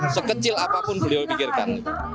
sekecil apapun beliau pikirkan